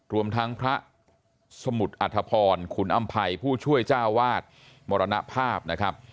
รวมทั้งพระสมุทรอัธพรขุนอำภัยผู้ช่วยเจ้าวาดมรณภาพนะครับ